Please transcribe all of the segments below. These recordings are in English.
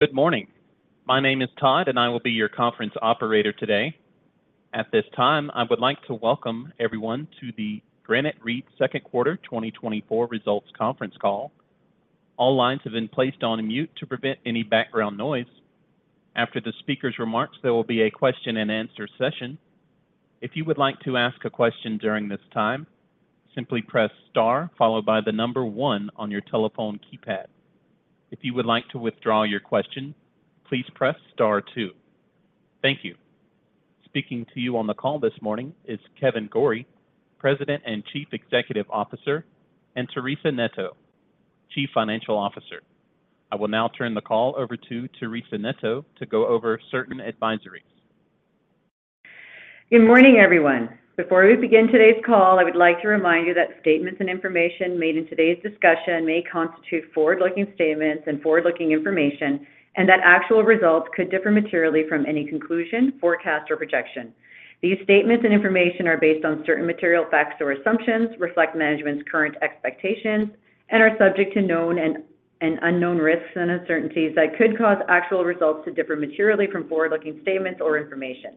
Good morning. My name is Todd, and I will be your conference operator today. At this time, I would like to welcome everyone to the Granite REIT Second Quarter 2024 Results Conference Call. All lines have been placed on mute to prevent any background noise. After the speaker's remarks, there will be a question-and-answer session. If you would like to ask a question during this time, simply press star followed by the number one on your telephone keypad. If you would like to withdraw your question, please press star two. Thank you. Speaking to you on the call this morning is Kevan Gorrie, President and Chief Executive Officer, and Teresa Neto, Chief Financial Officer. I will now turn the call over to Teresa Neto to go over certain advisories. Good morning, everyone. Before we begin today's call, I would like to remind you that statements and information made in today's discussion may constitute forward-looking statements and forward-looking information, and that actual results could differ materially from any conclusion, forecast, or projection. These statements and information are based on certain material facts or assumptions, reflect management's current expectations, and are subject to known and unknown risks and uncertainties that could cause actual results to differ materially from forward-looking statements or information.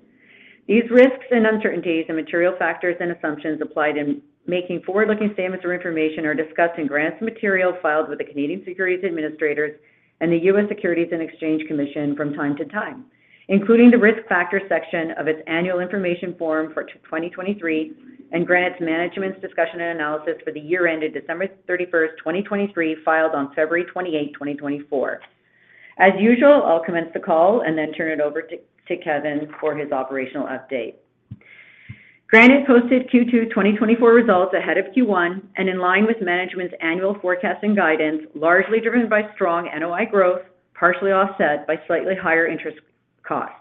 These risks and uncertainties and material factors and assumptions applied in making forward-looking statements or information are discussed in Granite's materials filed with the Canadian Securities Administrators and the U.S. Securities and Exchange Commission from time to time, including the Risk Factors section of its Annual Information Form for 2023 and Granite's Management's Discussion and Analysis for the year ended December 31, 2023, filed on February 28, 2024. As usual, I'll commence the call and then turn it over to Kevan for his operational update. Granite posted Q2 2024 results ahead of Q1 and in line with management's annual forecast and guidance, largely driven by strong NOI growth, partially offset by slightly higher interest costs.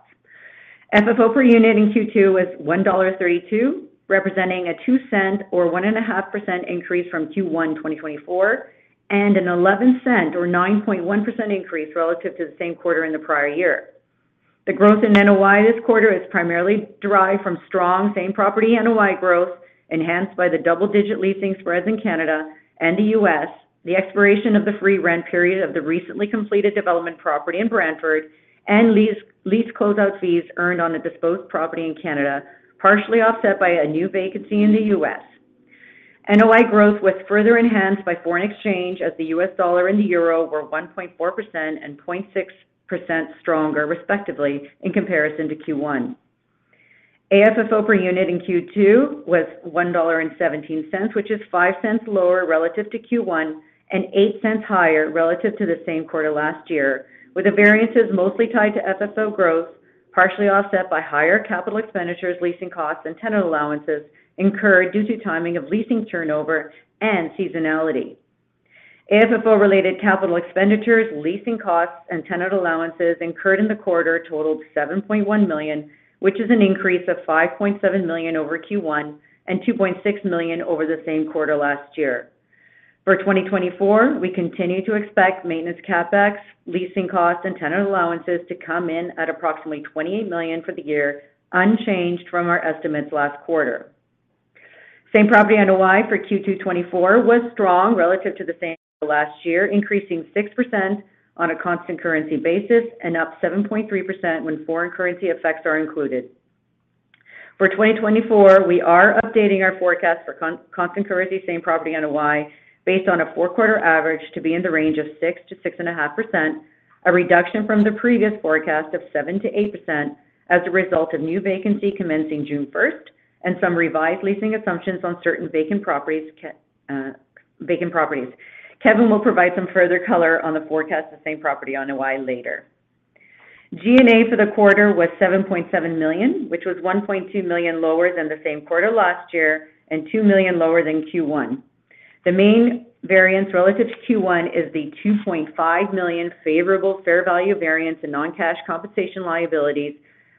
FFO per unit in Q2 was 1.32 dollar, representing a 0.02 or 1.5% increase from Q1 2024, and a 0.11 or 9.1% increase relative to the same quarter in the prior year. The growth in NOI this quarter is primarily derived from strong same-property NOI growth, enhanced by the double-digit leasing spreads in Canada and the U.S., the expiration of the free rent period of the recently completed development property in Brantford, and lease close-out fees earned on a disposed property in Canada, partially offset by a new vacancy in the U.S. NOI growth was further enhanced by foreign exchange, as the U.S. dollar and the euro were 1.4% and 0.6% stronger, respectively, in comparison to Q1. AFFO per unit in Q2 was $1.17, which is $0.05 lower relative to Q1 and $0.08 higher relative to the same quarter last year, with the variances mostly tied to FFO growth, partially offset by higher capital expenditures, leasing costs, and tenant allowances incurred due to timing of leasing turnover and seasonality. AFFO-related capital expenditures, leasing costs, and tenant allowances incurred in the quarter totaled $7.1 million, which is an increase of $5.7 million over Q1 and $2.6 million over the same quarter last year. For 2024, we continue to expect maintenance CapEx, leasing costs, and tenant allowances to come in at approximately $28 million for the year, unchanged from our estimates last quarter. Same-property NOI for Q2 2024 was strong relative to the same last year, increasing 6% on a constant currency basis and up 7.3% when foreign currency effects are included. For 2024, we are updating our forecast for constant currency same-property NOI based on a four-quarter average to be in the range of 6%-6.5%, a reduction from the previous forecast of 7%-8% as a result of new vacancy commencing June first and some revised leasing assumptions on certain vacant properties. Kevan will provide some further color on the forecast of same-property NOI later. G&A for the quarter was 7.7 million, which was 1.2 million lower than the same quarter last year and 2 million lower than Q1. The main variance relative to Q1 is the $2.5 million favorable fair value variance in non-cash compensation liabilities,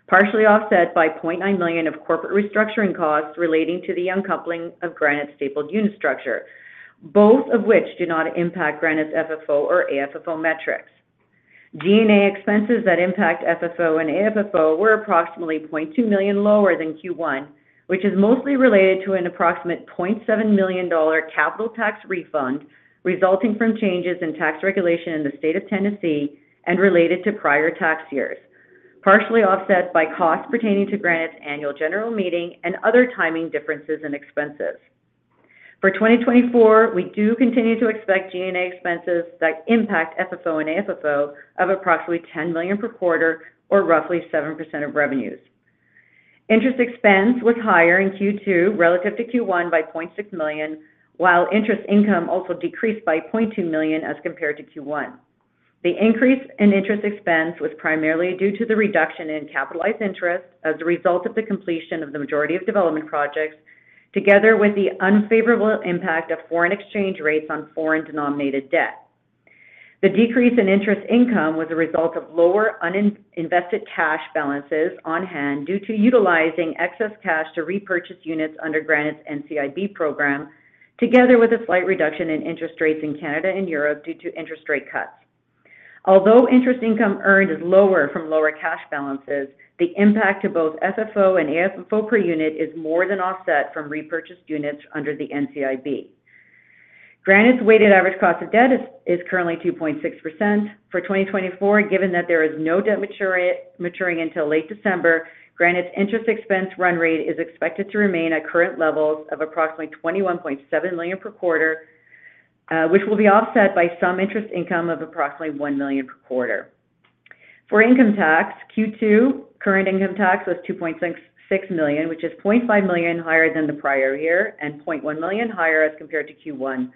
partially offset by $0.9 million of corporate restructuring costs relating to the uncoupling of Granite stapled unit structure, both of which do not impact Granite's FFO or AFFO metrics. G&A expenses that impact FFO and AFFO were approximately $0.2 million lower than Q1, which is mostly related to an approximate $0.7 million dollar capital tax refund resulting from changes in tax regulation in the state of Tennessee and related to prior tax years, partially offset by costs pertaining to Granite's annual general meeting and other timing differences and expenses. For 2024, we do continue to expect G&A expenses that impact FFO and AFFO of approximately $10 million per quarter or roughly 7% of revenues. Interest expense was higher in Q2 relative to Q1 by 0.6 million, while interest income also decreased by 0.2 million as compared to Q1. The increase in interest expense was primarily due to the reduction in capitalized interest as a result of the completion of the majority of development projects, together with the unfavorable impact of foreign exchange rates on foreign-denominated debt. The decrease in interest income was a result of lower uninvested cash balances on hand due to utilizing excess cash to repurchase units under Granite's NCIB program, together with a slight reduction in interest rates in Canada and Europe due to interest rate cuts. Although interest income earned is lower from lower cash balances, the impact to both FFO and AFFO per unit is more than offset from repurchased units under the NCIB.... Granite's weighted average cost of debt is currently 2.6%. For 2024, given that there is no debt maturing until late December, Granite's interest expense run rate is expected to remain at current levels of approximately 21.7 million per quarter, which will be offset by some interest income of approximately 1 million per quarter. For income tax, Q2, current income tax was 2.66 million, which is 0.5 million higher than the prior year and 0.1 million higher as compared to Q1.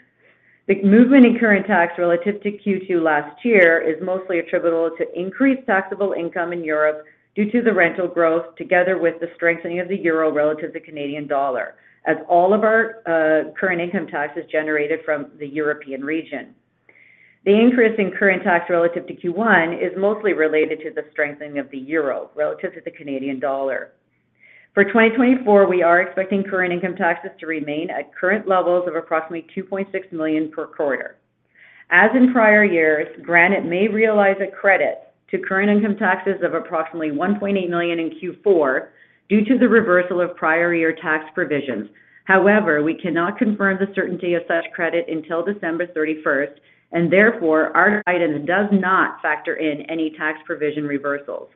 The movement in current tax relative to Q2 last year is mostly attributable to increased taxable income in Europe due to the rental growth, together with the strengthening of the euro relative to Canadian dollar, as all of our current income tax is generated from the European region. The increase in current tax relative to Q1 is mostly related to the strengthening of the euro relative to the Canadian dollar. For 2024, we are expecting current income taxes to remain at current levels of approximately $2.6 million per quarter. As in prior years, Granite may realize a credit to current income taxes of approximately $1.8 million in Q4 due to the reversal of prior year tax provisions. However, we cannot confirm the certainty of such credit until December 31, and therefore, our guidance does not factor in any tax provision reversals.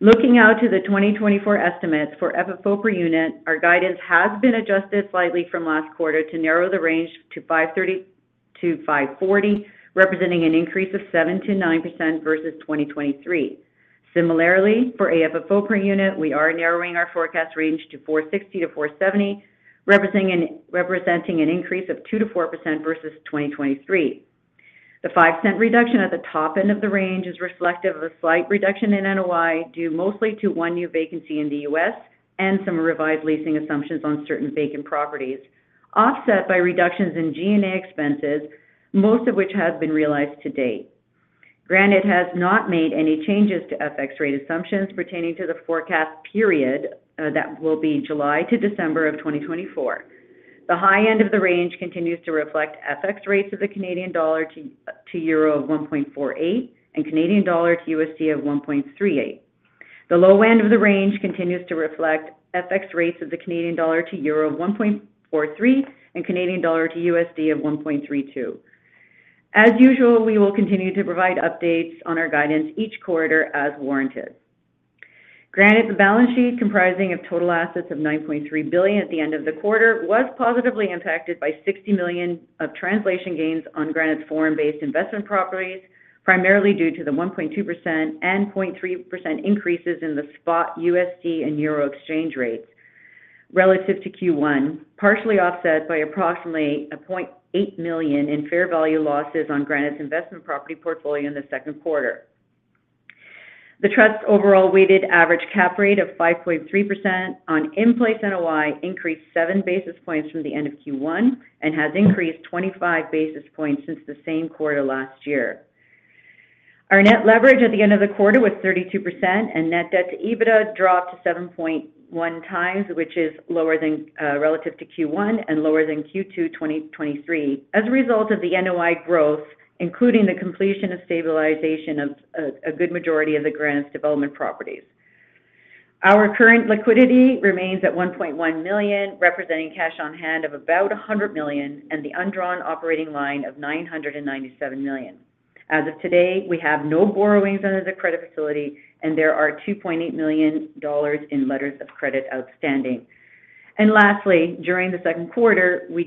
Looking out to the 2024 estimates for FFO per unit, our guidance has been adjusted slightly from last quarter to narrow the range to $5.30-$5.40, representing an increase of 7%-9% versus 2023. Similarly, for AFFO per unit, we are narrowing our forecast range to $4.60-$4.70, representing an increase of 2%-4% versus 2023. The $0.05 reduction at the top end of the range is reflective of a slight reduction in NOI, due mostly to one new vacancy in the U.S. and some revised leasing assumptions on certain vacant properties, offset by reductions in G&A expenses, most of which have been realized to date. Granite has not made any changes to FX rate assumptions pertaining to the forecast period, that will be July to December of 2024. The high end of the range continues to reflect FX rates of the Canadian dollar to euro of 1.48 and Canadian dollar to USD of 1.38. The low end of the range continues to reflect FX rates of the Canadian dollar to euro of 1.43 and Canadian dollar to USD of 1.32. As usual, we will continue to provide updates on our guidance each quarter as warranted. Granite's balance sheet, comprising of total assets of 9.3 billion at the end of the quarter, was positively impacted by 60 million of translation gains on Granite's foreign-based investment properties, primarily due to the 1.2% and 0.3% increases in the spot USD and euro exchange rates relative to Q1, partially offset by approximately 0.8 million in fair value losses on Granite's investment property portfolio in the second quarter. The Trust's overall weighted average cap rate of 5.3% on in-place NOI increased 7 basis points from the end of Q1 and has increased 25 basis points since the same quarter last year. Our net leverage at the end of the quarter was 32%, and net debt to EBITDA dropped to 7.1 times, which is lower, relative to Q1 and lower than Q2 2023 as a result of the NOI growth, including the completion of stabilization of a good majority of Granite's development properties. Our current liquidity remains at $1.1 billion, representing cash on hand of about $100 million and the undrawn operating line of $997 million. As of today, we have no borrowings under the credit facility, and there are $2.8 million in letters of credit outstanding. Lastly, during the second quarter, we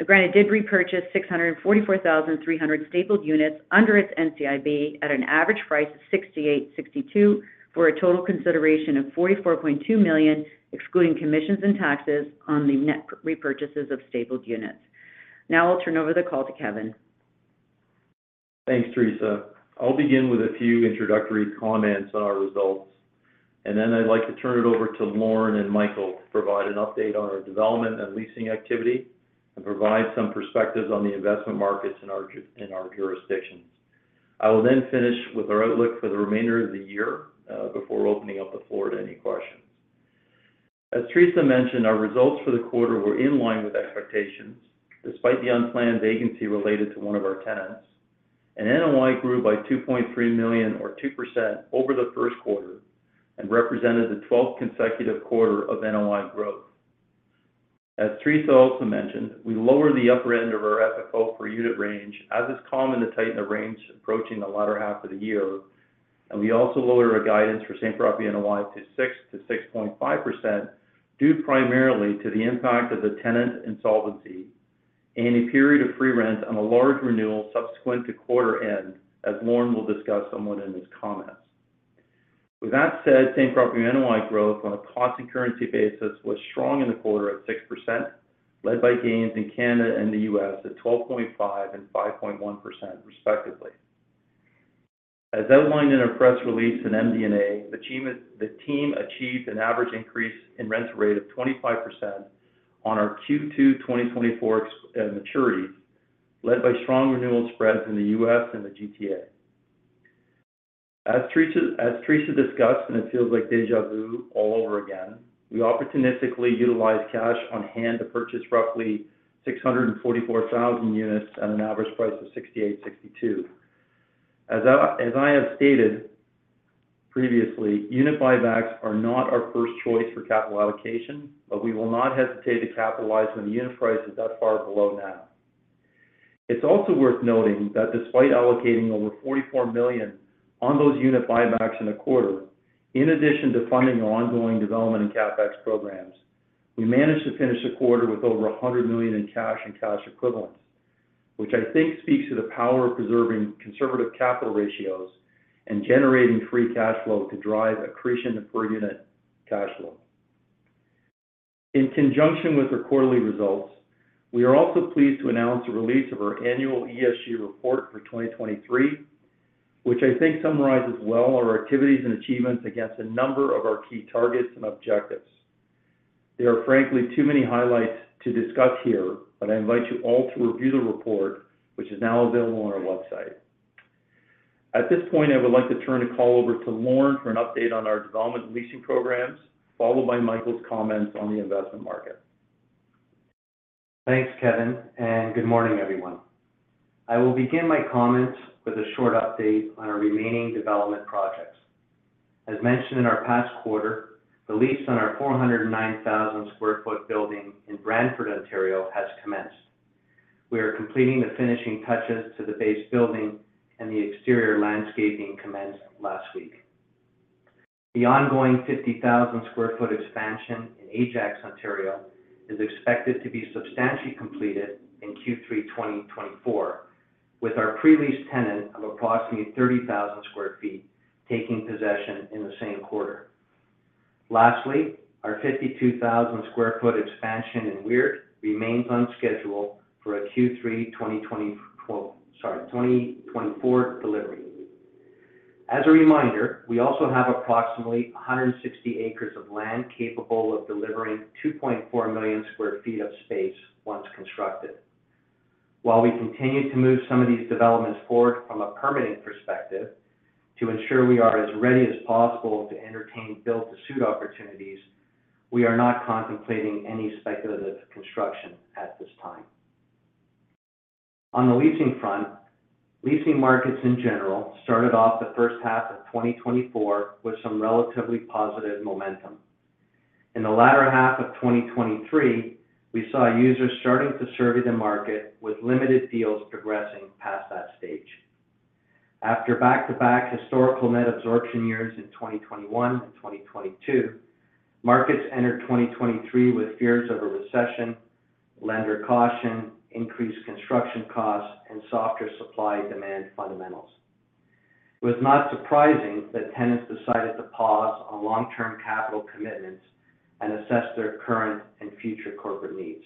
did—Granite did repurchase 644,300 stapled units under its NCIB at an average price of 68.62, for a total consideration of 44.2 million, excluding commissions and taxes on the net repurchases of stapled units. Now I'll turn over the call to Kevan. Thanks, Teresa. I'll begin with a few introductory comments on our results, and then I'd like to turn it over to Lorne and Michael to provide an update on our development and leasing activity and provide some perspectives on the investment markets in our, in our jurisdictions. I will then finish with our outlook for the remainder of the year, before opening up the floor to any questions. As Teresa mentioned, our results for the quarter were in line with expectations, despite the unplanned vacancy related to one of our tenants. NOI grew by 2.3 million, or 2%, over the first quarter and represented the twelfth consecutive quarter of NOI growth. As Teresa also mentioned, we lowered the upper end of our FFO per unit range, as is common to tighten the range approaching the latter half of the year, and we also lowered our guidance for same-property NOI to 6%-6.5%, due primarily to the impact of the tenant insolvency and a period of free rent on a large renewal subsequent to quarter-end, as Lorne will discuss somewhat in his comments. With that said, same-property NOI growth on a constant currency basis was strong in the quarter at 6%, led by gains in Canada and the U.S. at 12.5% and 5.1% respectively. As outlined in our press release and MD&A, the team achieved an average increase in rent rate of 25% on our Q2 2024 maturities, led by strong renewal spreads in the US and the GTA. As Teresa discussed, and it feels like déjà vu all over again, we opportunistically utilized cash on hand to purchase roughly 644,000 units at an average price of 68.62. As I have stated previously, unit buybacks are not our first choice for capital allocation, but we will not hesitate to capitalize when the unit price is that far below NAV. It's also worth noting that despite allocating over 44 million on those unit buybacks in a quarter, in addition to funding ongoing development and CapEx programs, we managed to finish the quarter with over 100 million in cash and cash equivalents, which I think speaks to the power of preserving conservative capital ratios and generating free cash flow to drive accretion to per unit cash flow. In conjunction with our quarterly results, we are also pleased to announce the release of our annual ESG report for 2023, which I think summarizes well our activities and achievements against a number of our key targets and objectives. There are, frankly, too many highlights to discuss here, but I invite you all to review the report, which is now available on our website. At this point, I would like to turn the call over to Lorne for an update on our development and leasing programs, followed by Michael's comments on the investment market. Thanks, Kevan, and good morning, everyone. I will begin my comments with a short update on our remaining development projects. As mentioned in our past quarter, the lease on our 409,000 sq ft building in Brantford, Ontario, has commenced. We are completing the finishing touches to the base building, and the exterior landscaping commenced last week. The ongoing 50,000 sq ft expansion in Ajax, Ontario, is expected to be substantially completed in Q3 2024, with our pre-lease tenant of approximately 30,000 sq ft taking possession in the same quarter. Lastly, our 52,000 sq ft expansion in Weert remains on schedule for a Q3 2024, sorry, 2024 delivery. As a reminder, we also have approximately 160 acres of land capable of delivering 2.4 million sq ft of space once constructed. While we continue to move some of these developments forward from a permitting perspective to ensure we are as ready as possible to entertain build-to-suit opportunities, we are not contemplating any speculative construction at this time. On the leasing front, leasing markets in general started off the first half of 2024 with some relatively positive momentum. In the latter half of 2023, we saw users starting to survey the market, with limited deals progressing past that stage. After back-to-back historical net absorption years in 2021 and 2022, markets entered 2023 with fears of a recession, lender caution, increased construction costs, and softer supply-demand fundamentals. It was not surprising that tenants decided to pause on long-term capital commitments and assess their current and future corporate needs.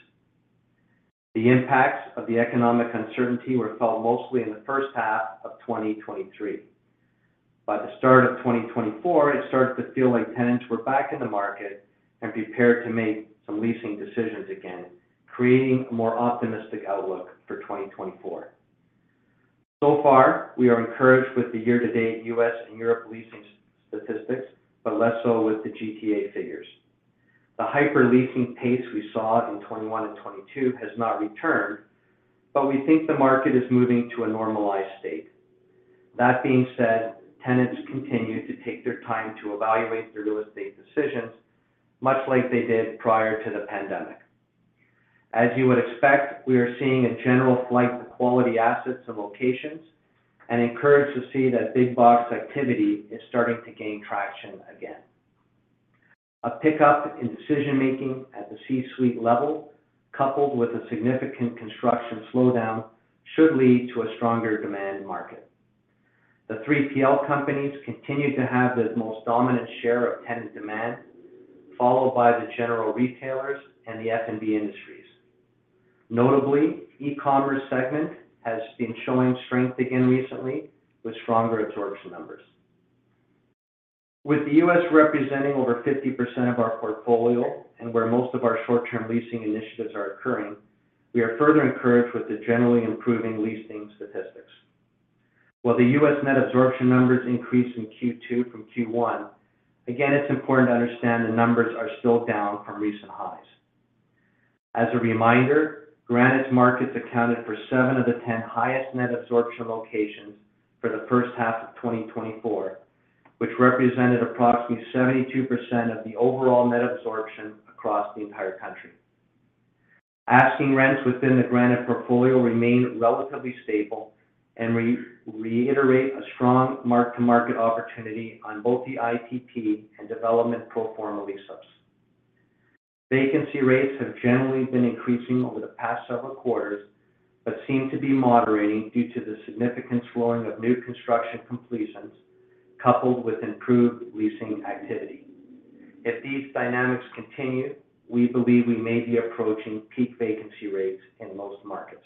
The impacts of the economic uncertainty were felt mostly in the first half of 2023. By the start of 2024, it started to feel like tenants were back in the market and prepared to make some leasing decisions again, creating a more optimistic outlook for 2024. So far, we are encouraged with the year-to-date U.S. and Europe leasing statistics, but less so with the GTA figures. The hyper leasing pace we saw in 2021 and 2022 has not returned, but we think the market is moving to a normalized state. That being said, tenants continue to take their time to evaluate their real estate decisions, much like they did prior to the pandemic. As you would expect, we are seeing a general flight to quality assets and locations and encouraged to see that big box activity is starting to gain traction again. A pickup in decision-making at the C-suite level, coupled with a significant construction slowdown, should lead to a stronger demand market. The 3PL companies continue to have the most dominant share of tenant demand, followed by the general retailers and the F&B industries. Notably, e-commerce segment has been showing strength again recently, with stronger absorption numbers. With the U.S. representing over 50% of our portfolio and where most of our short-term leasing initiatives are occurring, we are further encouraged with the generally improving leasing statistics. While the U.S. net absorption numbers increased in Q2 from Q1, again, it's important to understand the numbers are still down from recent highs. As a reminder, Granite's markets accounted for 7 of the 10 highest net absorption locations for the first half of 2024, which represented approximately 72% of the overall net absorption across the entire country. Asking rents within the Granite portfolio remain relatively stable and reiterate a strong mark-to-market opportunity on both the IPP and development pro forma leases. Vacancy rates have generally been increasing over the past several quarters, but seem to be moderating due to the significant slowing of new construction completions, coupled with improved leasing activity. If these dynamics continue, we believe we may be approaching peak vacancy rates in most markets.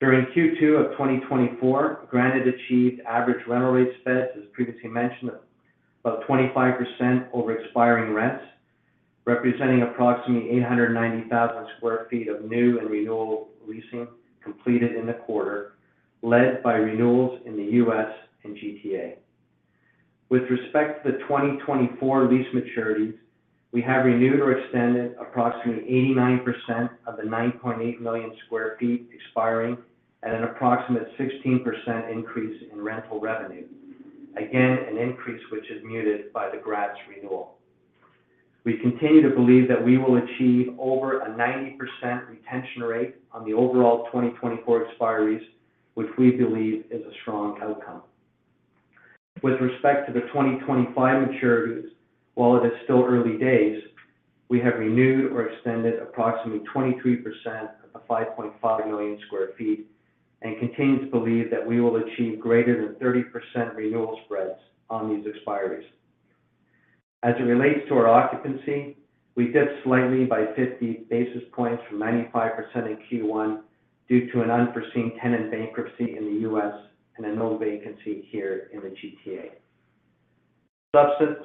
During Q2 of 2024, Granite achieved average rental rate spreads, as previously mentioned, of 25% over expiring rents, representing approximately 890,000 sq ft of new and renewal leasing completed in the quarter, led by renewals in the US and GTA. With respect to the 2024 lease maturities. We have renewed or extended approximately 89% of the 9.8 million sq ft expiring at an approximate 16% increase in rental revenue. Again, an increase, which is muted by the graduated renewal. We continue to believe that we will achieve over a 90% retention rate on the overall 2024 expiries, which we believe is a strong outcome. With respect to the 2025 maturities, while it is still early days, we have renewed or extended approximately 23% of the 5.5 million sq ft, and continue to believe that we will achieve greater than 30% renewal spreads on these expiries. As it relates to our occupancy, we dipped slightly by 50 basis points from 95% in Q1 due to an unforeseen tenant bankruptcy in the U.S. and a new vacancy here in the GTA.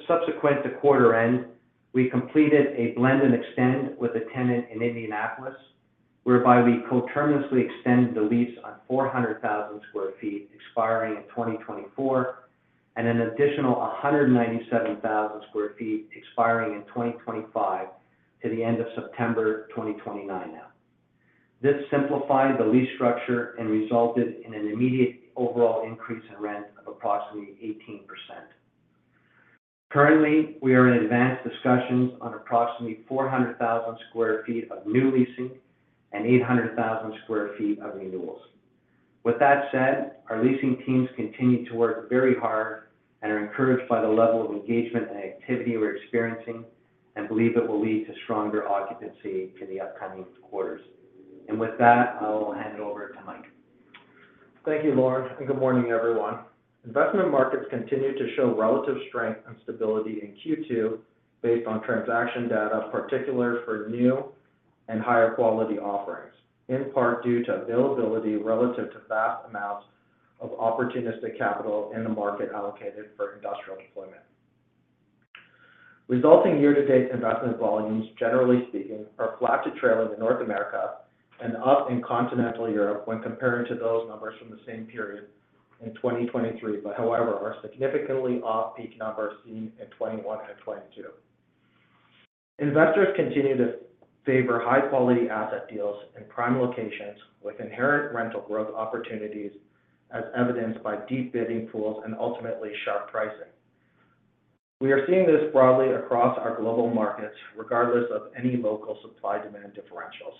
Subsequent to quarter end, we completed a blend and extend with a tenant in Indianapolis, whereby we co-terminously extended the lease on 400,000 sq ft expiring in 2024, and an additional 197,000 sq ft expiring in 2025 to the end of September 2029 now. This simplified the lease structure and resulted in an immediate overall increase in rent of approximately 18%. Currently, we are in advanced discussions on approximately 400,000 sq ft of new leasing and 800,000 sq ft of renewals. With that said, our leasing teams continue to work very hard and are encouraged by the level of engagement and activity we're experiencing, and believe it will lead to stronger occupancy in the upcoming quarters. And with that, I'll hand it over to Mike. Thank you, Lorne, and good morning, everyone. Investment markets continued to show relative strength and stability in Q2 based on transaction data, particular for new and higher quality offerings, in part due to availability relative to vast amounts of opportunistic capital in the market allocated for industrial deployment. Resulting year-to-date investment volumes, generally speaking, are flat to trail in North America and up in Continental Europe when comparing to those numbers from the same period in 2023, but however, are significantly off-peak numbers seen in 2021 and 2022. Investors continue to favor high-quality asset deals in prime locations with inherent rental growth opportunities, as evidenced by deep bidding pools and ultimately sharp pricing. We are seeing this broadly across our global markets, regardless of any local supply-demand differentials.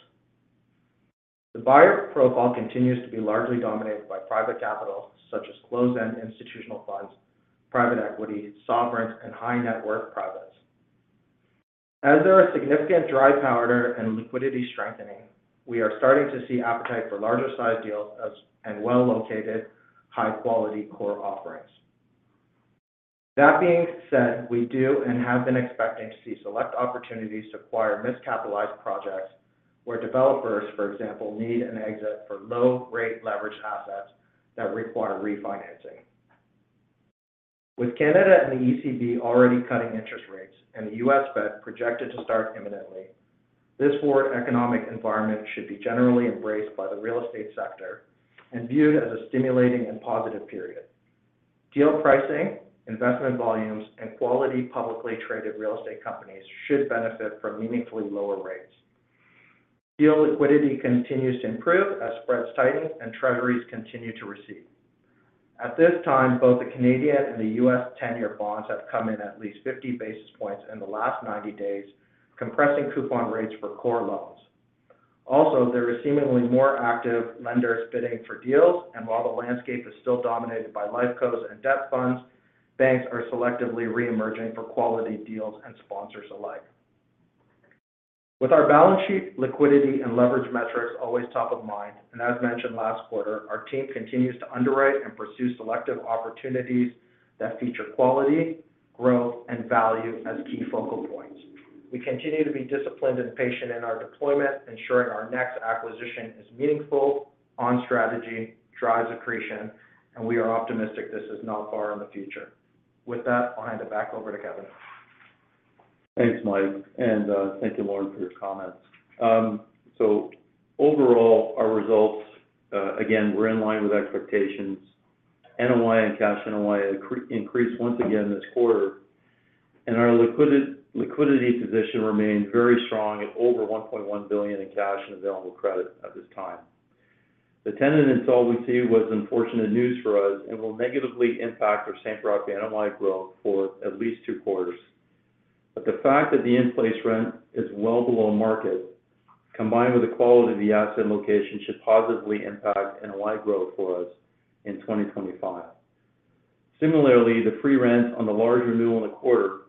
The buyer profile continues to be largely dominated by private capital, such as closed-end institutional funds, private equity, sovereigns, and high-net-worth privates. As there are significant dry powder and liquidity strengthening, we are starting to see appetite for larger-sized deals and well-located, high-quality core offerings. That being said, we do and have been expecting to see select opportunities to acquire miscapitalized projects where developers, for example, need an exit for low-rate leveraged assets that require refinancing. With Canada and the ECB already cutting interest rates and the U.S. Fed projected to start imminently, this forward economic environment should be generally embraced by the real estate sector and viewed as a stimulating and positive period. Deal pricing, investment volumes, and quality publicly traded real estate companies should benefit from meaningfully lower rates. Deal liquidity continues to improve as spreads tighten and Treasuries continue to receive. At this time, both the Canadian and the U.S. ten-year bonds have come in at least 50 basis points in the last 90 days, compressing coupon rates for core loans. Also, there is seemingly more active lenders bidding for deals, and while the landscape is still dominated by LifeCos and debt funds, banks are selectively reemerging for quality deals and sponsors alike. With our balance sheet, liquidity, and leverage metrics always top of mind, and as mentioned last quarter, our team continues to underwrite and pursue selective opportunities that feature quality, growth, and value as key focal points. We continue to be disciplined and patient in our deployment, ensuring our next acquisition is meaningful, on strategy, drives accretion, and we are optimistic this is not far in the future. With that, I'll hand it back over to Kevan. Thanks, Mike, and thank you, Lorne, for your comments. So overall, our results again were in line with expectations. NOI and cash NOI increased once again this quarter, and our liquidity position remained very strong at over 1.1 billion in cash and available credit at this time. The tenant insolvency was unfortunate news for us and will negatively impact our same-property NOI growth for at least two quarters. But the fact that the in-place rent is well below market, combined with the quality of the asset location, should positively impact NOI growth for us in 2025. Similarly, the free rent on the large renewal in the quarter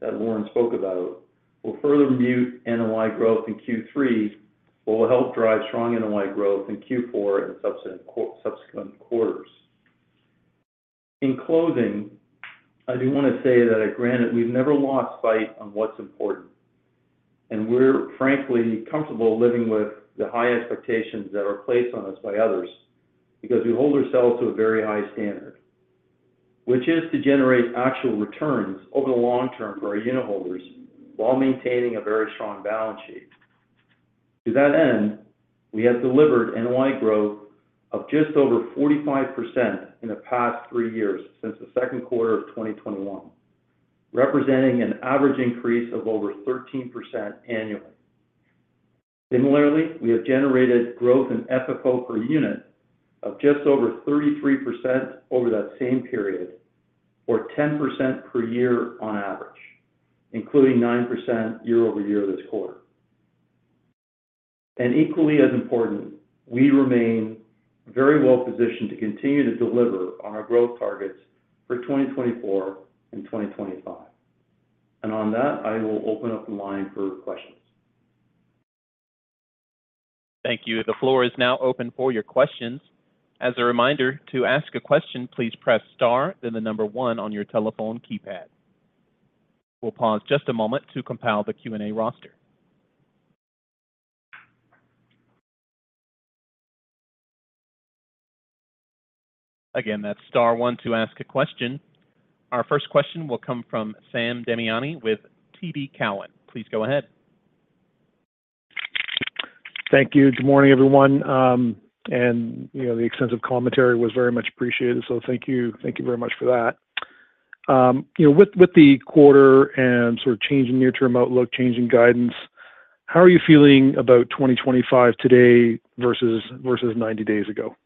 that Lorne spoke about will further mute NOI growth in Q3, but will help drive strong NOI growth in Q4 and subsequent, subsequent quarters. In closing, I do want to say that at Granite, we've never lost sight on what's important, and we're frankly comfortable living with the high expectations that are placed on us by others, because we hold ourselves to a very high standard, which is to generate actual returns over the long term for our unit holders while maintaining a very strong balance sheet.... To that end, we have delivered NOI growth of just over 45% in the past three years since the second quarter of 2021, representing an average increase of over 13% annually. Similarly, we have generated growth in FFO per unit of just over 33% over that same period, or 10% per year on average, including 9% year-over-year this quarter. And equally as important, we remain very well positioned to continue to deliver on our growth targets for 2024 and 2025. And on that, I will open up the line for questions. Thank you. The floor is now open for your questions. As a reminder, to ask a question, please press Star, then the number one on your telephone keypad. We'll pause just a moment to compile the Q&A roster. Again, that's Star one to ask a question. Our first question will come from Sam Damiani with TD Cowen. Please go ahead. Thank you. Good morning, everyone. And, you know, the extensive commentary was very much appreciated, so thank you. Thank you very much for that. You know, with the quarter and sort of changing near-term outlook, changing guidance, how are you feeling about 2025 today versus 90 days ago?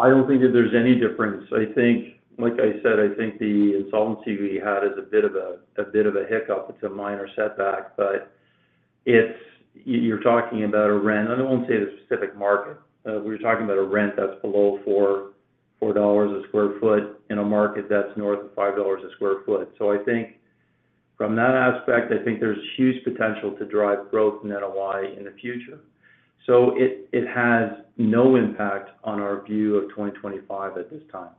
I don't think that there's any difference. I think, like I said, I think the insolvency we had is a bit of a, a bit of a hiccup. It's a minor setback, but it's, you're talking about a rent. I don't want to say the specific market. We were talking about a rent that's below $4 a sq ft in a market that's north of $5 a sq ft. So I think from that aspect, I think there's huge potential to drive growth in NOI in the future. So it, it has no impact on our view of 2025 at this time.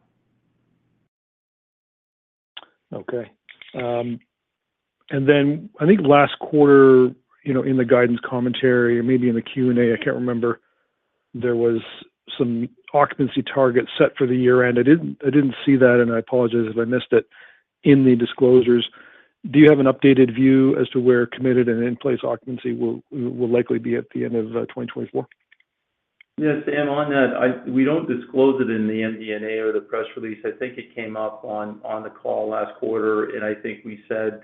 Okay. And then I think last quarter, you know, in the guidance commentary or maybe in the Q&A, I can't remember, there was some occupancy targets set for the year-end. I didn't see that, and I apologize if I missed it in the disclosures. Do you have an updated view as to where committed and in-place occupancy will likely be at the end of 2024? Yeah, Sam, on that, I—we don't disclose it in the MD&A or the press release. I think it came up on, on the call last quarter, and I think we said,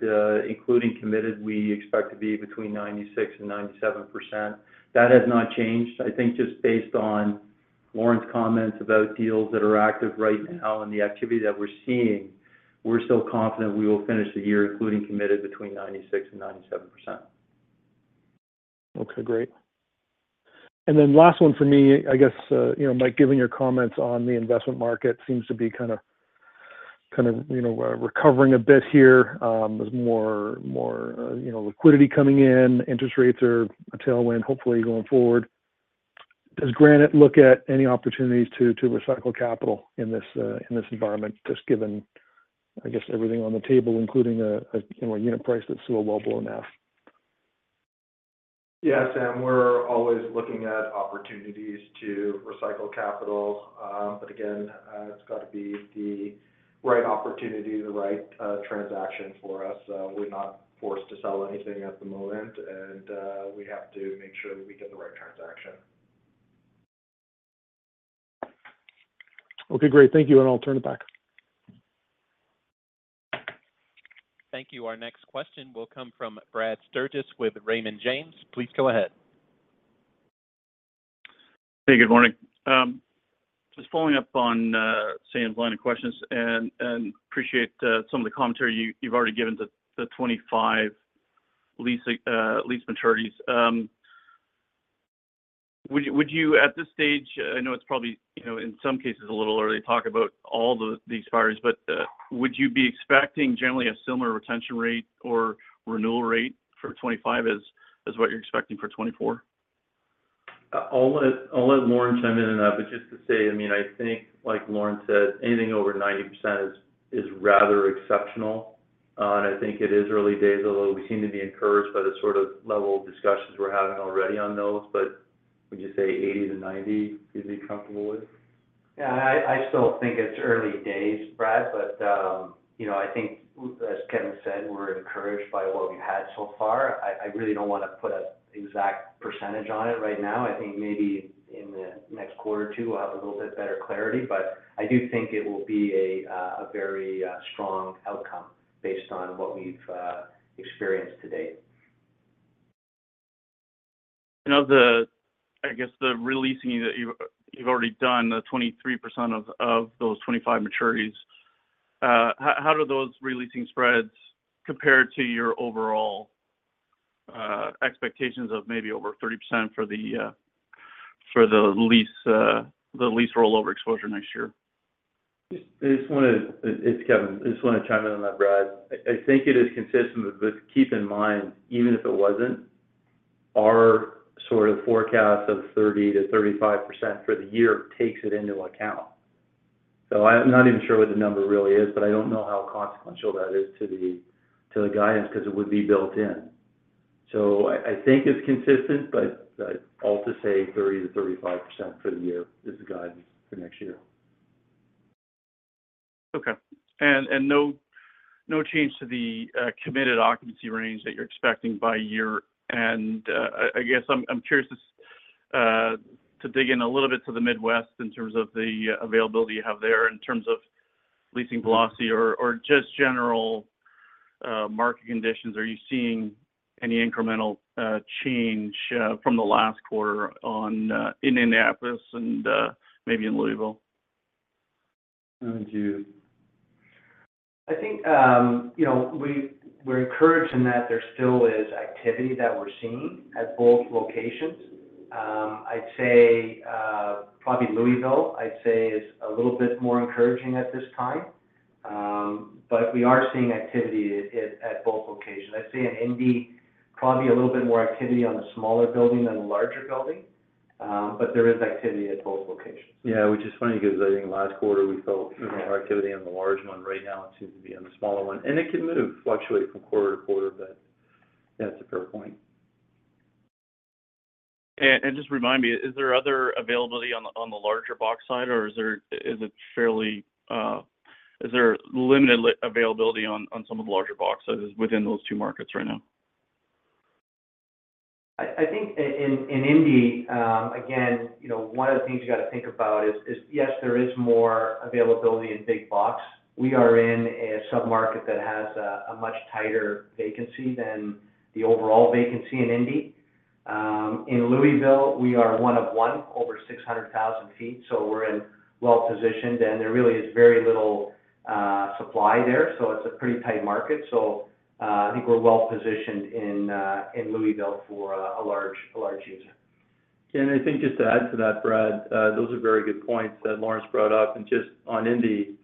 including committed, we expect to be between 96% and 97%. That has not changed. I think just based on Lorne's comments about deals that are active right now and the activity that we're seeing, we're still confident we will finish the year, including committed, between 96% and 97%. Okay, great. And then last one for me. I guess, you know, Mike, giving your comments on the investment market seems to be kind of, kind of, you know, recovering a bit here. There's more, more, you know, liquidity coming in, interest rates are a tailwind, hopefully going forward. Does Granite look at any opportunities to, to recycle capital in this, in this environment, just given, I guess, everything on the table, including a, a, you know, a unit price that's still well below NAV? Yeah, Sam, we're always looking at opportunities to recycle capital, but again, it's got to be the right opportunity, the right transaction for us. We're not forced to sell anything at the moment, and we have to make sure that we get the right transaction. Okay, great. Thank you, and I'll turn it back. Thank you. Our next question will come from Brad Sturges with Raymond James. Please go ahead. Hey, good morning. Just following up on Sam's line of questions, and appreciate some of the commentary you've already given to the 25 lease maturities. Would you at this stage, I know it's probably, you know, in some cases, a little early to talk about all these fires, but would you be expecting generally a similar retention rate or renewal rate for 2025 as what you're expecting for 2024? I'll let Lorne chime in on that, but just to say, I mean, I think like Lorne said, anything over 90% is rather exceptional. And I think it is early days, although we seem to be encouraged by the sort of level of discussions we're having already on those. But would you say 80%-90% you'd be comfortable with? Yeah, I still think it's early days, Brad, but you know, I think as Kevan said, we're encouraged by what we've had so far. I really don't want to put an exact percentage on it right now. I think maybe in the next quarter or two, we'll have a little bit better clarity, but I do think it will be a very strong outcome based on what we've experienced to date. You know, the... I guess the re-leasing that you've already done, the 23% of those 25 maturities, how do those re-leasing spreads compare to your overall expectations of maybe over 30% for the lease, the lease rollover exposure next year? I just want to. It's Kevan. I just want to chime in on that, Brad. I, I think it is consistent, but keep in mind, even if it wasn't, our sort of forecast of 30%-35% for the year takes it into account. So I'm not even sure what the number really is, but I don't know how consequential that is to the, to the guidance, because it would be built in. So I, I think it's consistent, but, I'll also say 30%-35% for the year is the guidance for next year. Okay, no change to the committed occupancy range that you're expecting by year? And, I guess I'm curious to dig in a little bit to the Midwest in terms of the availability you have there, in terms of leasing velocity or just general market conditions. Are you seeing any incremental change from the last quarter on in Indianapolis and maybe in Louisville? I think, you know, we're encouraged in that there still is activity that we're seeing at both locations. I'd say, probably Louisville, I'd say is a little bit more encouraging at this time. But we are seeing activity at both locations. I'd say in Indy, probably a little bit more activity on the smaller building than the larger building. But there is activity at both locations. Yeah. Which is funny, because I think last quarter, we felt more activity on the large one. Right now, it seems to be on the smaller one, and it can move, fluctuate from quarter to quarter, but yeah, that's a fair point. Just remind me, is there other availability on the larger box side, or is it fairly limited availability on some of the larger box sizes within those two markets right now? I think in Indy, again, you know, one of the things you got to think about is, yes, there is more availability in big box. We are in a submarket that has a much tighter vacancy than the overall vacancy in Indy. In Louisville, we are one of one over 600,000 sq ft, so we're well-positioned, and there really is very little supply there, so it's a pretty tight market. So, I think we're well positioned in Louisville for a large user. I think just to add to that, Brad, those are very good points that Lorne brought up, and just on Indy,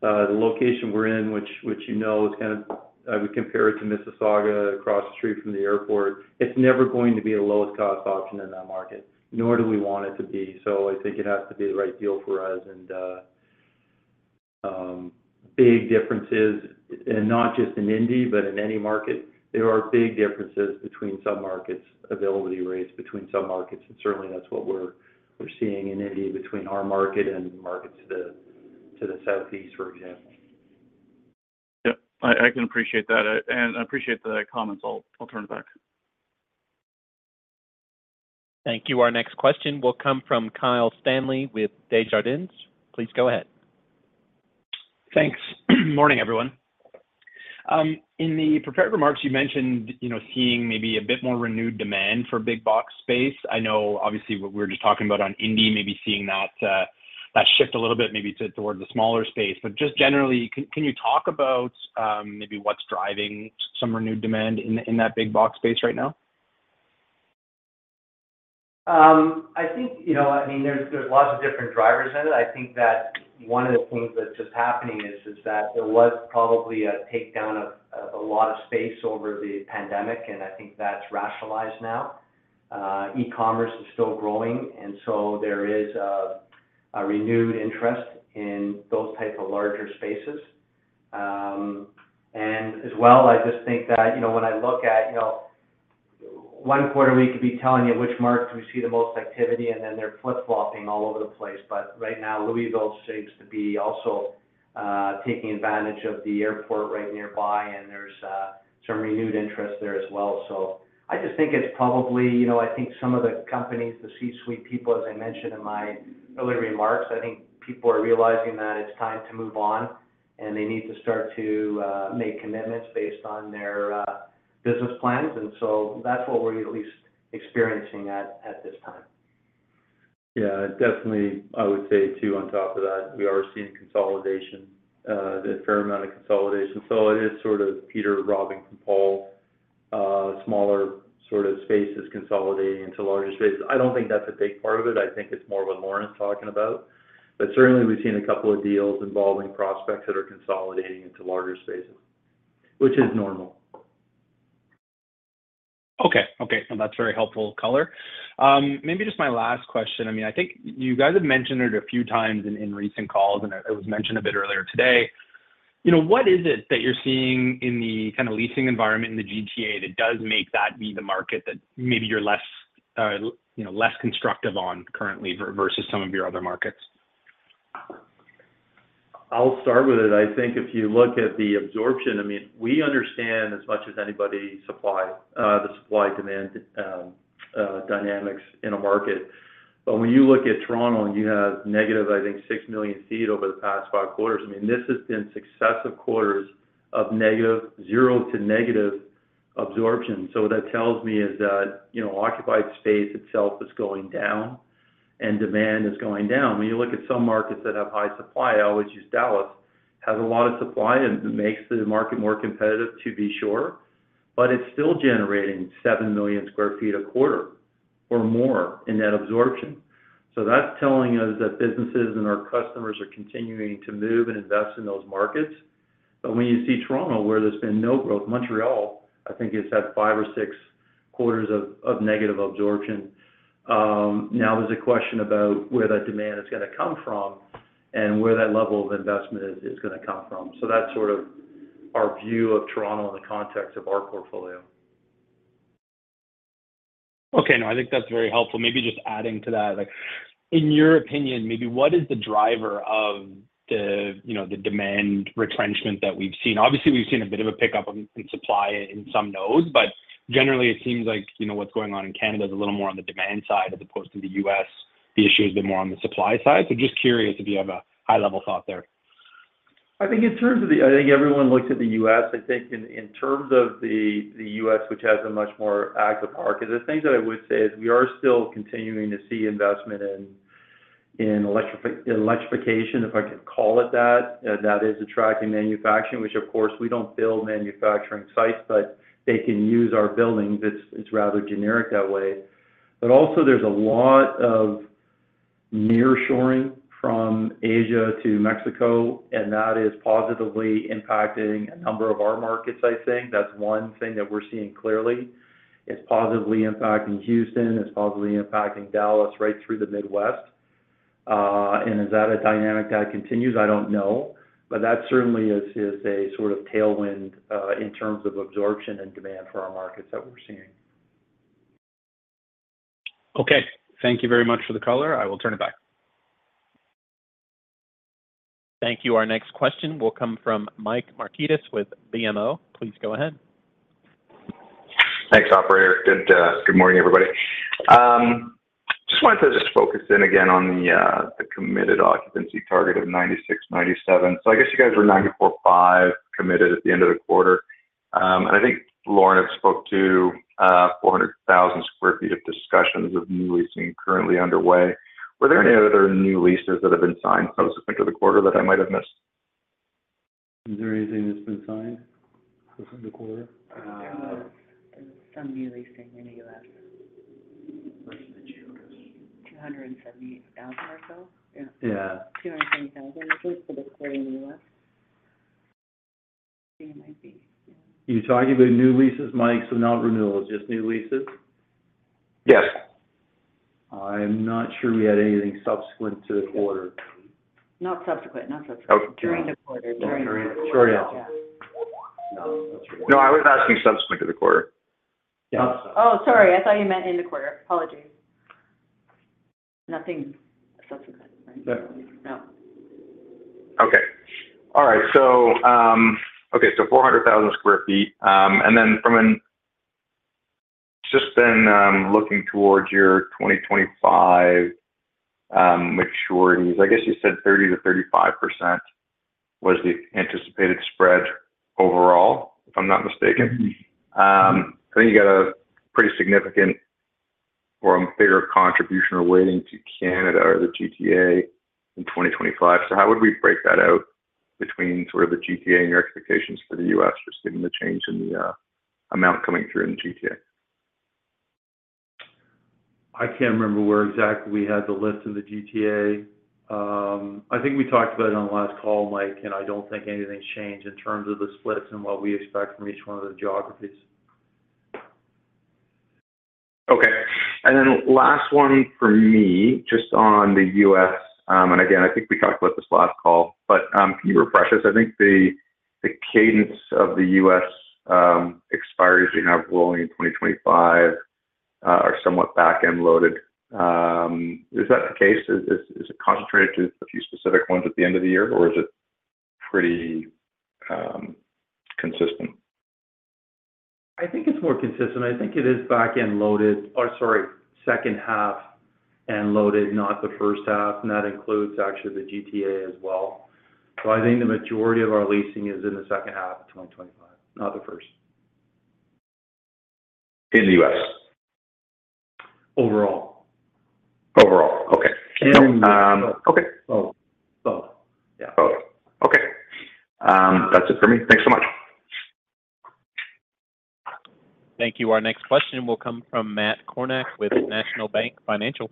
the location we're in, which you know is kind of, I would compare it to Mississauga across the street from the airport. It's never going to be the lowest cost option in that market, nor do we want it to be. So I think it has to be the right deal for us. And big differences, and not just in Indy, but in any market. There are big differences between submarkets, availability rates between submarkets, and certainly that's what we're seeing in Indy between our market and markets to the southeast, for example. Yeah, I can appreciate that, and I appreciate the comments. I'll turn it back. Thank you. Our next question will come from Kyle Stanley with Desjardins. Please go ahead. Thanks. Morning, everyone. In the prepared remarks, you mentioned, you know, seeing maybe a bit more renewed demand for big box space. I know obviously what we were just talking about on Indy, maybe seeing that, that shift a little bit, maybe towards the smaller space. But just generally, can you talk about, maybe what's driving some renewed demand in that big box space right now? I think, you know, I mean, there's lots of different drivers in it. I think that one of the things that's just happening is that there was probably a takedown of a lot of space over the pandemic, and I think that's rationalized now. E-commerce is still growing, and so there is a renewed interest in those type of larger spaces. And as well, I just think that, you know, when I look at, you know, one quarter, we could be telling you which markets we see the most activity, and then they're flip-flopping all over the place. But right now, Louisville seems to be also taking advantage of the airport right nearby, and there's some renewed interest there as well. I just think it's probably, you know, I think some of the companies, the C-suite people, as I mentioned in my early remarks, I think people are realizing that it's time to move on, and they need to start to make commitments based on their business plans. So that's what we're at least experiencing at this time. Yeah, definitely. I would say, too, on top of that, we are seeing consolidation, the fair amount of consolidation. So it is sort of Peter robbing from Paul, smaller sort of spaces consolidating into larger spaces. I don't think that's a big part of it. I think it's more what Lorne is talking about. But certainly, we've seen a couple of deals involving prospects that are consolidating into larger spaces, which is normal. Okay. Okay, so that's very helpful color. Maybe just my last question. I mean, I think you guys have mentioned it a few times in recent calls, and it was mentioned a bit earlier today. You know, what is it that you're seeing in the kind of leasing environment in the GTA that does make that be the market that maybe you're less, you know, less constructive on currently versus some of your other markets? I'll start with it. I think if you look at the absorption, I mean, we understand as much as anybody, supply, the supply-demand dynamics in a market. But when you look at Toronto, and you have negative, I think, 6 million sq ft over the past 5 quarters, I mean, this has been successive quarters of negative, zero to negative absorption. So what that tells me is that, you know, occupied space itself is going down and demand is going down. When you look at some markets that have high supply, I always use Dallas, has a lot of supply, and it makes the market more competitive, to be sure, but it's still generating 7 million sq ft a quarter or more in net absorption. So that's telling us that businesses and our customers are continuing to move and invest in those markets. But when you see Toronto, where there's been no growth, Montreal, I think, has had five or six quarters of negative absorption. Now there's a question about where that demand is gonna come from and where that level of investment is gonna come from. So that's sort of our view of Toronto in the context of our portfolio. Okay, no, I think that's very helpful. Maybe just adding to that, like, in your opinion, maybe what is the driver of the, you know, the demand retrenchment that we've seen? Obviously, we've seen a bit of a pickup in, in supply in some nodes, but generally, it seems like, you know, what's going on in Canada is a little more on the demand side, as opposed to the US, the issue is a bit more on the supply side. So just curious if you have a high-level thought there. I think in terms of the U.S. I think everyone looks at the U.S. I think in terms of the U.S., which has a much more active market, the thing that I would say is we are still continuing to see investment in electrification, if I could call it that. That is attracting manufacturing, which, of course, we don't build manufacturing sites, but they can use our buildings. It's rather generic that way. But also there's a lot of nearshoring from Asia to Mexico, and that is positively impacting a number of our markets, I think. That's one thing that we're seeing clearly. It's positively impacting Houston, it's positively impacting Dallas, right through the Midwest. And is that a dynamic that continues? I don't know, but that certainly is a sort of tailwind, in terms of absorption and demand for our markets that we're seeing. Okay. Thank you very much for the color. I will turn it back. Thank you. Our next question will come from Mike Markidis with BMO. Please go ahead. Thanks, operator. Good morning, everybody. Just wanted to just focus in again on the committed occupancy target of 96-97. So I guess you guys were 94.5 committed at the end of the quarter. And I think Lorne had spoke to 400,000 sq ft of discussions with new leasing currently underway. Were there any other new leases that have been signed subsequent to the quarter that I might have missed? Is there anything that's been signed since the quarter? There's some new leasing in the U.S. What's the geographies? 278,000 or so? Yeah. Yeah. 210,000, at least for the quarter in the US. It might be, yeah. You talking about new leases, Mike, so not renewals, just new leases? Yes. I'm not sure we had anything subsequent to the quarter. Not subsequent. Not subsequent. Okay. During the quarter. During the quarter. Yeah. No, I was asking subsequent to the quarter. Yeah. Oh, sorry. I thought you meant in the quarter. Apologies. Nothing subsequent, right? No. No. Okay. All right. So, okay, so 400,000 sq ft. And then, looking towards your 2025 maturities, I guess you said 30%-35% was the anticipated spread overall, if I'm not mistaken. I think you got a pretty significant or a bigger contribution or weighting to Canada or the GTA in 2025. How would we break that out between sort of the GTA and your expectations for the U.S., just given the change in the amount coming through in the GTA? I can't remember where exactly we had the list of the GTA. I think we talked about it on the last call, Mike, and I don't think anything's changed in terms of the splits and what we expect from each one of the geographies. Okay. And then last one for me, just on the US, and again, I think we talked about this last call, but, can you refresh us? I think the cadence of the US expiries you have rolling in 2025 are somewhat back-end loaded. Is that the case? Is it concentrated to a few specific ones at the end of the year, or is it pretty consistent? I think it's more consistent. I think it is back-end loaded, or sorry, second half end-loaded, not the first half, and that includes actually the GTA as well. So I think the majority of our leasing is in the second half of 2025, not the first. In the U.S.? Overall. Overall. Okay. And, um- Okay. Both. Both. Yeah. Both. Okay. That's it for me. Thanks so much. Thank you. Our next question will come from Matt Kornack, with National Bank Financial.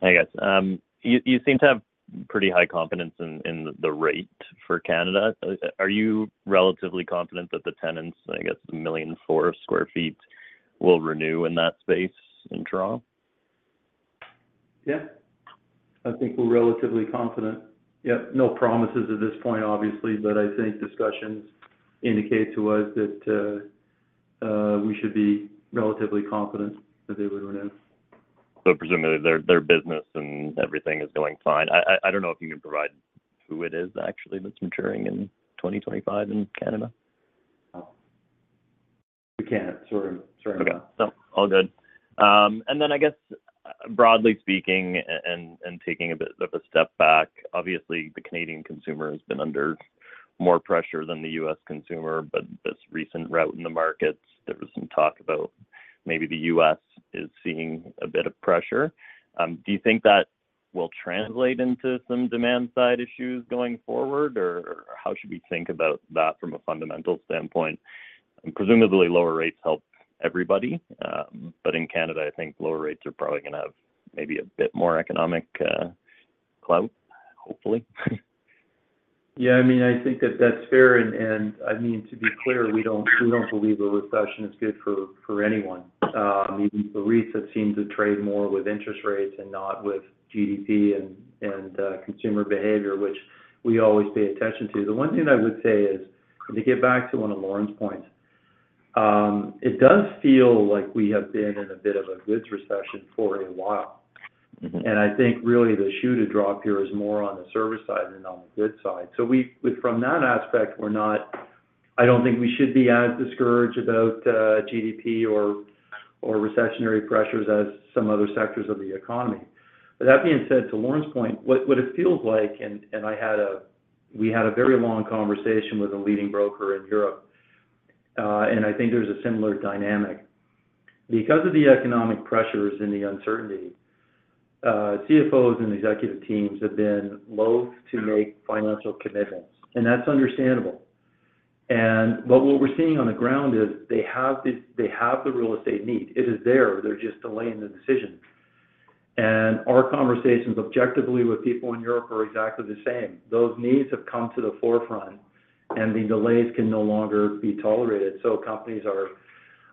Hi, guys. You seem to have pretty high confidence in the rate for Canada. Are you relatively confident that the tenants, I guess, the 1.4 million sq ft, will renew in that space in Toronto? Yeah. I think we're relatively confident. Yeah, no promises at this point, obviously, but I think discussions indicate to us that we should be relatively confident that they would renew. So presumably, their business and everything is going fine. I don't know if you can provide who it is actually that's maturing in 2025 in Canada? We can't, sorry. Sorry about that. Okay. No, all good. And then I guess, broadly speaking and taking a bit of a step back, obviously, the Canadian consumer has been under more pressure than the U.S. consumer, but this recent rout in the markets, there was some talk about maybe the U.S. is seeing a bit of pressure. Do you think that will translate into some demand-side issues going forward, or how should we think about that from a fundamental standpoint? Presumably, lower rates help everybody, but in Canada, I think lower rates are probably going to have maybe a bit more economic clout, hopefully. Yeah, I mean, I think that that's fair, and, and I mean, to be clear, we don't, we don't believe a recession is good for, for anyone. The REITs have seemed to trade more with interest rates and not with GDP and, and, consumer behavior, which we always pay attention to. The one thing I would say is, to get back to one of Lorne's points... it does feel like we have been in a bit of a goods recession for a while. And I think really the shoe to drop here is more on the service side than on the goods side. So we, from that aspect, we're not--I don't think we should be as discouraged about GDP or recessionary pressures as some other sectors of the economy. But that being said, to Lorne's point, what it feels like, and we had a very long conversation with a leading broker in Europe, and I think there's a similar dynamic. Because of the economic pressures and the uncertainty, CFOs and executive teams have been loath to make financial commitments, and that's understandable. But what we're seeing on the ground is they have the real estate need. It is there. They're just delaying the decision. And our conversations, objectively, with people in Europe are exactly the same. Those needs have come to the forefront, and the delays can no longer be tolerated, so companies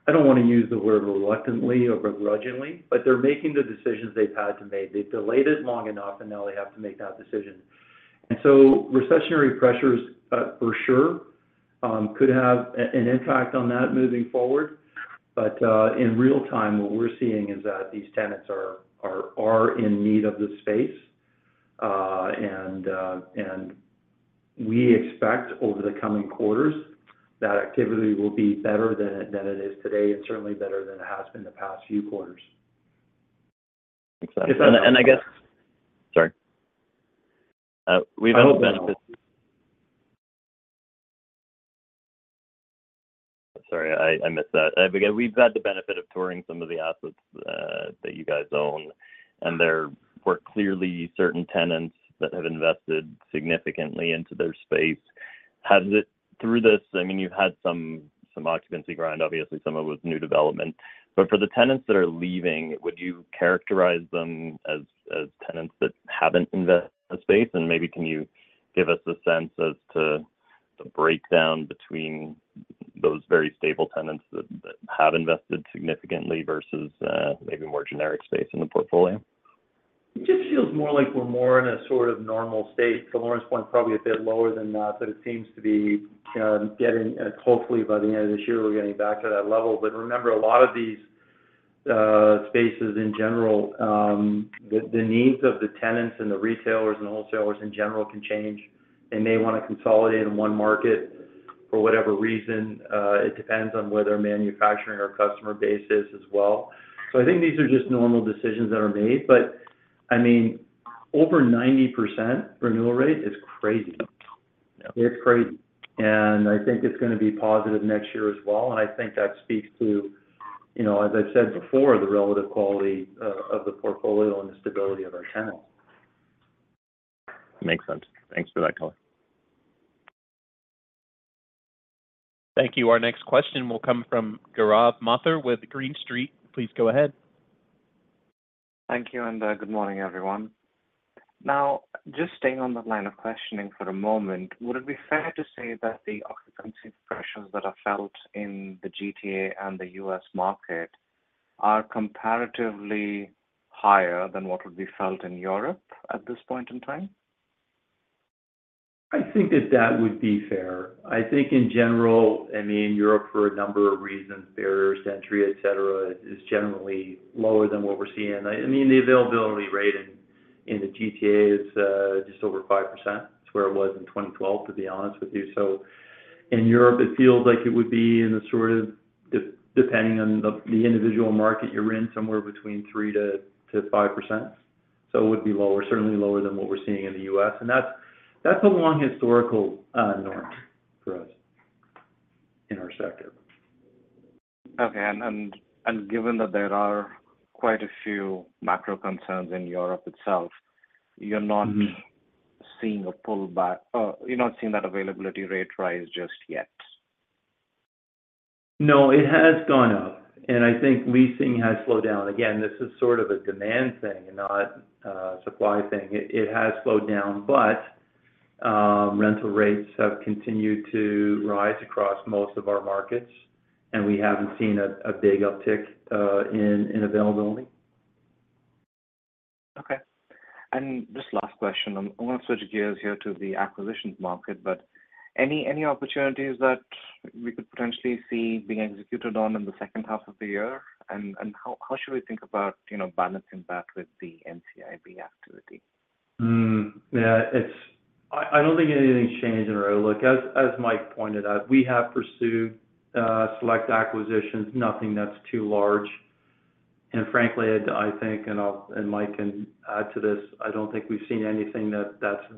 are, I don't want to use the word reluctantly or begrudgingly, but they're making the decisions they've had to make. They've delayed it long enough, and now they have to make that decision. And so recessionary pressures, for sure, could have an impact on that moving forward. But, in real time, what we're seeing is that these tenants are in need of the space. And we expect over the coming quarters, that activity will be better than it is today and certainly better than it has been the past few quarters. Exactly. And I guess—sorry. We've had the benefit—sorry, I missed that. Again, we've had the benefit of touring some of the assets that you guys own, and there were clearly certain tenants that have invested significantly into their space. Has it... Through this, I mean, you've had some occupancy grind, obviously, some of it with new development. But for the tenants that are leaving, would you characterize them as tenants that haven't invested in the space? And maybe can you give us a sense as to the breakdown between those very stable tenants that have invested significantly versus maybe more generic space in the portfolio? It just feels more like we're more in a sort of normal state. To Lorne's point, probably a bit lower than that, but it seems to be getting hopefully by the end of this year, we're getting back to that level. But remember, a lot of these spaces in general, the needs of the tenants and the retailers and wholesalers in general can change. They may want to consolidate in one market for whatever reason. It depends on where their manufacturing or customer base is as well. So I think these are just normal decisions that are made, but I mean, over 90% renewal rate is crazy. Yeah. It's crazy. I think it's gonna be positive next year as well, and I think that speaks to, you know, as I've said before, the relative quality of, of the portfolio and the stability of our tenants. Makes sense. Thanks for that color. Thank you. Our next question will come from Gaurav Mathur with Green Street. Please go ahead. Thank you, and good morning, everyone. Now, just staying on that line of questioning for a moment, would it be fair to say that the occupancy pressures that are felt in the GTA and the U.S. market are comparatively higher than what would be felt in Europe at this point in time? I think that that would be fair. I think in general, I mean, Europe, for a number of reasons, barriers to entry, etc, is generally lower than what we're seeing. I mean, the availability rate in the GTA is just over 5%. It's where it was in 2012, to be honest with you. So in Europe, it feels like it would be in a sort of depending on the individual market you're in, somewhere between 3%-5%. So it would be lower, certainly lower than what we're seeing in the US, and that's a long historical norm for us in our sector. Okay. Given that there are quite a few macro concerns in Europe itself, you're not seeing a pullback, you're not seeing that availability rate rise just yet? No, it has gone up, and I think leasing has slowed down. Again, this is sort of a demand thing and not a supply thing. It has slowed down, but rental rates have continued to rise across most of our markets, and we haven't seen a big uptick in availability. Okay. Just last question. I want to switch gears here to the acquisitions market, but any opportunities that we could potentially see being executed on in the second half of the year? And how should we think about, you know, balancing that with the NCIB activity? Yeah, I don't think anything's changed in our outlook. As Mike pointed out, we have pursued select acquisitions, nothing that's too large. And frankly, I think, and Mike can add to this, I don't think we've seen anything that's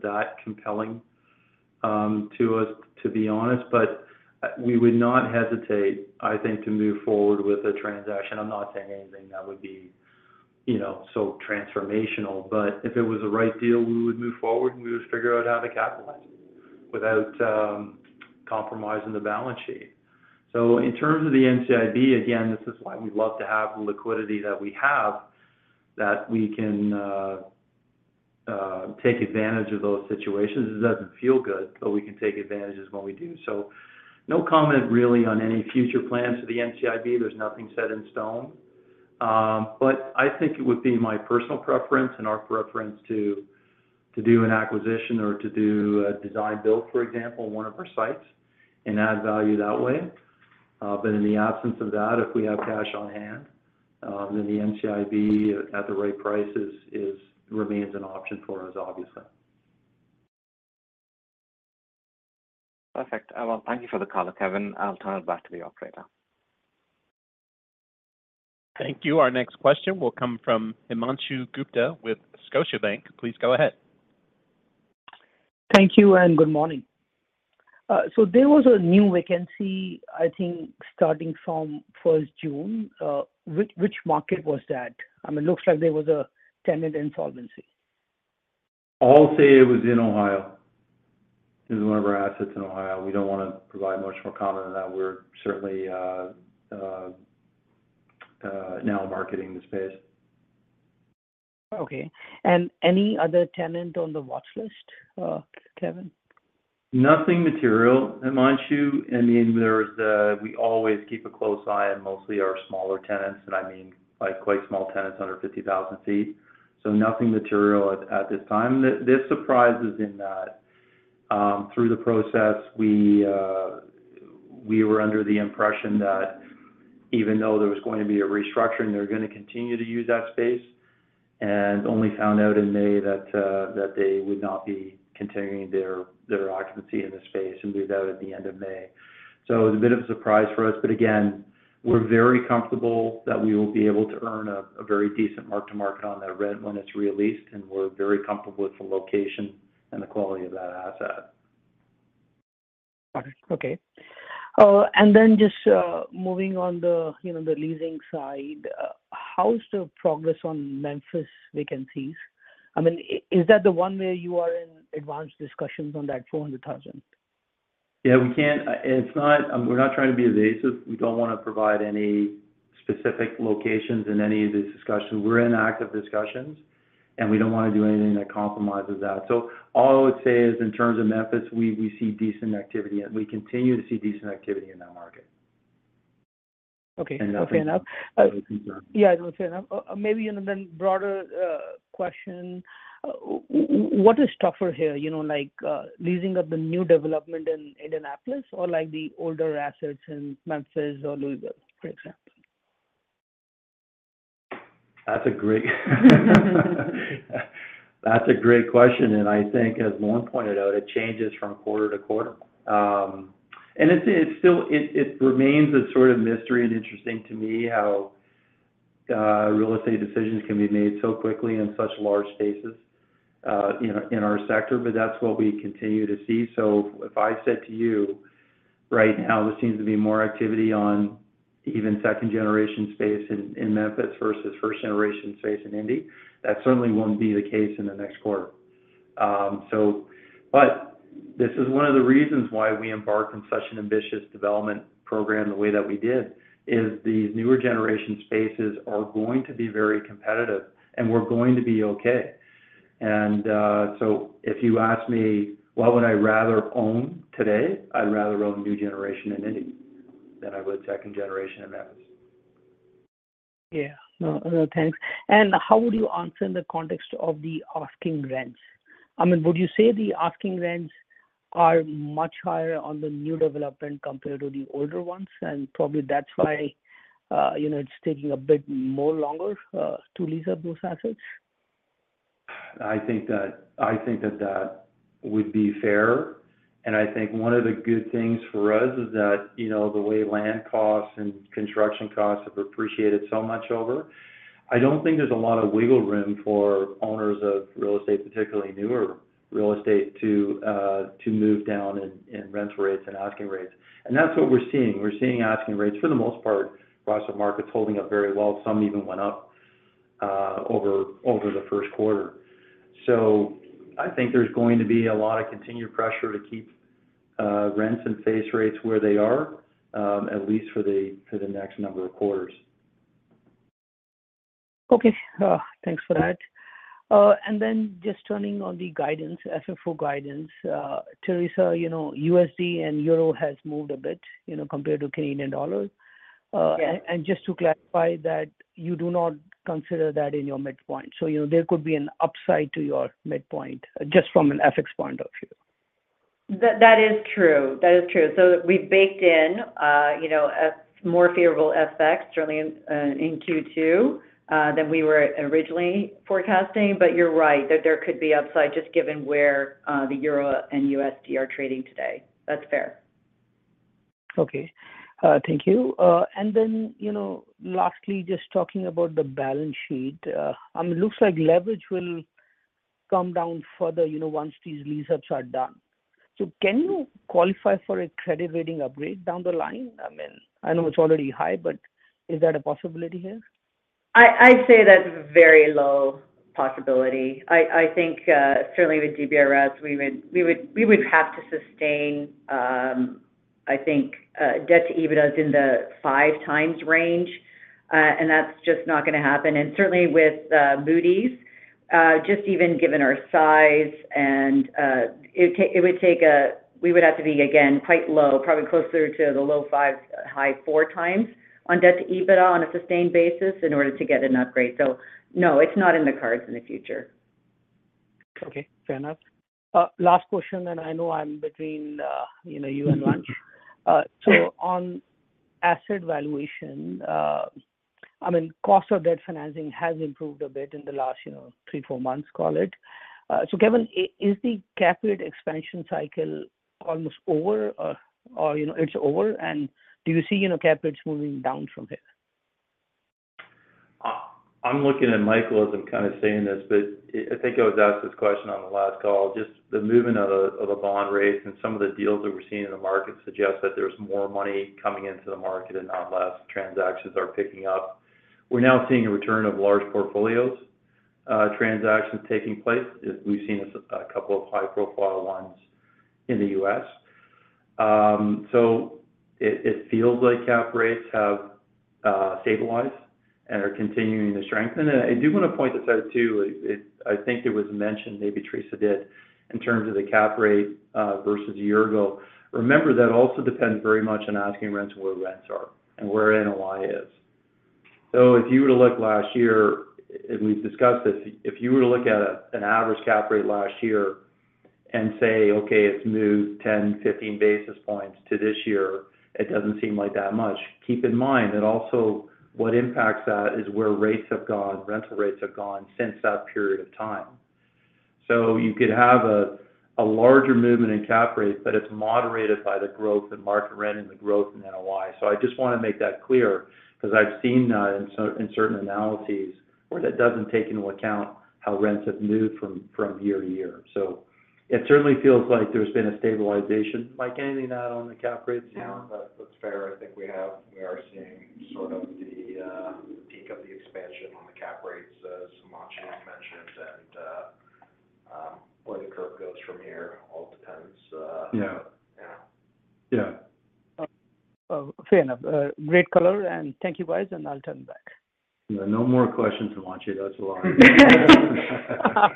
that compelling to us, to be honest. But we would not hesitate, I think, to move forward with a transaction. I'm not saying anything that would be, you know, so transformational, but if it was the right deal, we would move forward, and we would figure out how to capitalize it without compromising the balance sheet. So in terms of the NCIB, again, this is why we'd love to have the liquidity that we have, that we can take advantage of those situations. It doesn't feel good, but we can take advantage is what we do. So no comment really on any future plans for the NCIB. There's nothing set in stone... But I think it would be my personal preference and our preference to do an acquisition or to do a design-build, for example, in one of our sites and add value that way. But in the absence of that, if we have cash on hand, then the NCIB at the right price remains an option for us, obviously. Perfect. Well, thank you for the call, Kevan. I'll turn it back to the operator. Thank you. Our next question will come from Himanshu Gupta with Scotiabank. Please go ahead. Thank you, and good morning. So there was a new vacancy, I think, starting from first June. Which market was that? I mean, looks like there was a tenant insolvency. I'll say it was in Ohio. It was one of our assets in Ohio. We don't want to provide much more comment on that. We're certainly now marketing the space. Okay. And any other tenant on the watchlist, Kevan? Nothing material, Himanshu. I mean, there's the—we always keep a close eye on mostly our smaller tenants, and I mean, like, quite small tenants, under 50,000 feet. So nothing material at this time. This surprises in that, through the process, we were under the impression that even though there was going to be a restructuring, they're gonna continue to use that space, and only found out in May that they would not be continuing their occupancy in the space, and moved out at the end of May. So it was a bit of a surprise for us, but again, we're very comfortable that we will be able to earn a very decent mark-to-market on that rent when it's re-leased, and we're very comfortable with the location and the quality of that asset. Got it. Okay. And then just moving on the, you know, the leasing side, how's the progress on Memphis vacancies? I mean, is that the one where you are in advanced discussions on that 400,000? Yeah, we can't... It's not, we're not trying to be evasive. We don't want to provide any specific locations in any of these discussions. We're in active discussions, and we don't want to do anything that compromises that. So all I would say is, in terms of Memphis, we see decent activity, and we continue to see decent activity in that market. Okay. And nothing- Okay, enough. Nothing further. Yeah, I don't say enough. Maybe, you know, then broader question: What is tougher here? You know, like, leasing up the new development in Indianapolis or, like, the older assets in Memphis or Louisville, for example? That's a great, that's a great question, and I think, as Lorne pointed out, it changes from quarter to quarter. And it's still a sort of mystery and interesting to me how real estate decisions can be made so quickly in such large spaces, you know, in our sector, but that's what we continue to see. So if I said to you right now, there seems to be more activity on even second-generation space in Memphis versus first-generation space in Indy, that certainly won't be the case in the next quarter. So but this is one of the reasons why we embarked on such an ambitious development program the way that we did, is these newer generation spaces are going to be very competitive, and we're going to be okay. If you ask me, what would I rather own today? I'd rather own new generation in Indy than I would second generation in Memphis. Yeah. No, thanks. And how would you answer in the context of the asking rents? I mean, would you say the asking rents are much higher on the new development compared to the older ones, and probably that's why, you know, it's taking a bit more longer to lease up those assets? I think that, I think that that would be fair, and I think one of the good things for us is that, you know, the way land costs and construction costs have appreciated so much over, I don't think there's a lot of wiggle room for owners of real estate, particularly newer real estate, to move down in rent rates and asking rates. And that's what we're seeing. We're seeing asking rates, for the most part, across the markets holding up very well. Some even went up over the first quarter. So I think there's going to be a lot of continued pressure to keep rents and asking rates where they are, at least for the next number of quarters. Okay. Thanks for that. And then just turning to the guidance, FFO guidance, Teresa, you know, USD and euro has moved a bit, you know, compared to Canadian dollar. Yes. Just to clarify that you do not consider that in your midpoint. You know, there could be an upside to your midpoint, just from an FX point of view. That, that is true. That is true. So we baked in, you know, a more favorable FX, certainly in Q2 than we were originally forecasting, but you're right, that there could be upside just given where the euro and USD are trading today. That's fair. Okay. Thank you. And then, you know, lastly, just talking about the balance sheet. It looks like leverage will come down further, you know, once these lease-ups are done. So can you qualify for a credit rating upgrade down the line? I mean, I know it's already high, but is that a possibility here? I'd say that's a very low possibility. I think certainly with DBRS, we would have to sustain debt to EBITDA in the 5x range, and that's just not gonna happen. And certainly with Moody's-... just even given our size and we would have to be, again, quite low, probably closer to the low 5, high 4 times on debt to EBITDA on a sustained basis in order to get an upgrade. So no, it's not in the cards in the future. Okay, fair enough. Last question, and I know I'm between, you know, you and lunch. So on asset valuation, I mean, cost of debt financing has improved a bit in the last, you know, three, four months, call it. So Kevan, is the cap rate expansion cycle almost over, or, you know, it's over? And do you see, you know, cap rates moving down from here? I'm looking at Michael as I'm kind of saying this, but I think I was asked this question on the last call. Just the movement of a bond rate and some of the deals that we're seeing in the market suggest that there's more money coming into the market and not less. Transactions are picking up. We're now seeing a return of large portfolios, transactions taking place. As we've seen a couple of high-profile ones in the US. So it feels like cap rates have stabilized and are continuing to strengthen. And I do want to point this out, too. It-- I think it was mentioned, maybe Teresa did, in terms of the cap rate versus a year ago. Remember, that also depends very much on asking rents where rents are and where NOI is. So if you were to look last year, and we've discussed this, if you were to look at an average cap rate last year and say, "Okay, it's moved 10-15 basis points to this year," it doesn't seem like that much. Keep in mind that also what impacts that is where rates have gone, rental rates have gone since that period of time. So you could have a larger movement in cap rates, but it's moderated by the growth in market rent and the growth in NOI. So I just want to make that clear, because I've seen that in certain analyses, where that doesn't take into account how rents have moved from year to year. So it certainly feels like there's been a stabilization. Mike, anything to add on the cap rates? Yeah. That's, that's fair. I think we have, we are seeing sort of the peak of the expansion on the cap rates, as Himanshu has mentioned, and where the curve goes from here, all depends. Yeah. Yeah. Yeah. Fair enough. Great color, and thank you, guys, and I'll turn it back. No more questions from Himanshu, though, so long. Yeah,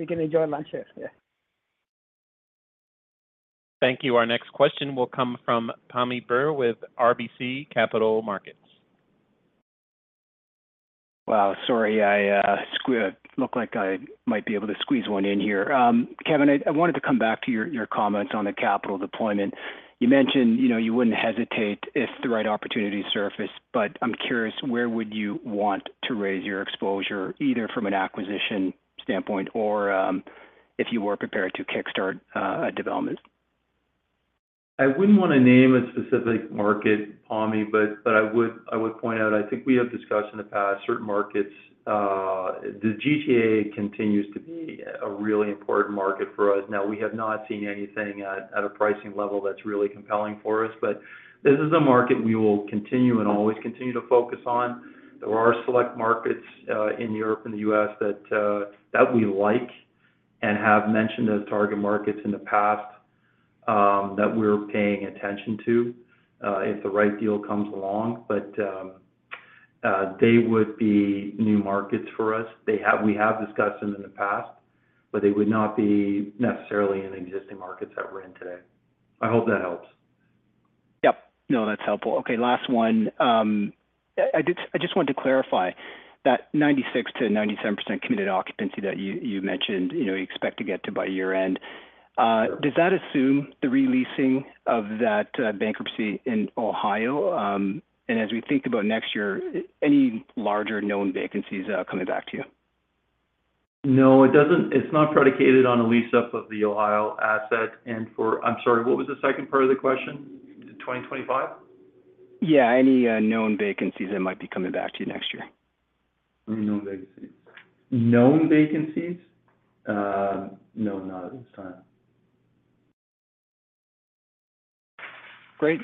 we can enjoy lunch here. Yeah. Thank you. Our next question will come from Pammi Bir with RBC Capital Markets. Wow, sorry, I look like I might be able to squeeze one in here. Kevan, I wanted to come back to your comments on the capital deployment. You mentioned, you know, you wouldn't hesitate if the right opportunity surfaced, but I'm curious, where would you want to raise your exposure, either from an acquisition standpoint or, if you were prepared to kickstart a development? I wouldn't want to name a specific market, Tom, but I would point out, I think we have discussed in the past certain markets. The GTA continues to be a really important market for us. Now, we have not seen anything at a pricing level that's really compelling for us, but this is a market we will continue and always continue to focus on. There are select markets in Europe and the US that we like and have mentioned as target markets in the past that we're paying attention to if the right deal comes along. But they would be new markets for us. We have discussed them in the past, but they would not be necessarily in existing markets that we're in today. I hope that helps. Yep. No, that's helpful. Okay, last one. I just wanted to clarify that 96%-97% committed occupancy that you, you mentioned, you know, you expect to get to by year-end, does that assume the re-leasing of that, bankruptcy in Ohio? And as we think about next year, any larger known vacancies, coming back to you? No, it doesn't. It's not predicated on a lease-up of the Ohio asset. And for... I'm sorry, what was the second part of the question? 2025? Yeah, any known vacancies that might be coming back to you next year? Any known vacancies. Known vacancies? No, not at this time. Great.